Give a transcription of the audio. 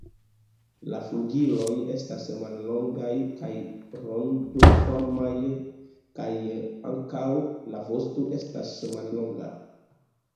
La flugiloj estas mallongaj kaj rondoformaj, kaj ankaŭ la vosto estas mallonga.